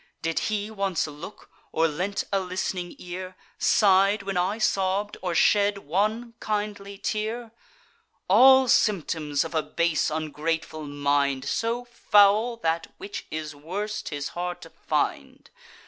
Did he once look, or lent a list'ning ear, Sigh'd when I sobb'd, or shed one kindly tear? All symptoms of a base ungrateful mind, So foul, that, which is worse, 'tis hard to find.